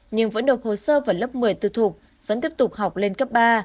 nhưng vẫn được hồ sơ vào lớp một mươi tư thuộc vẫn tiếp tục học lên cấp ba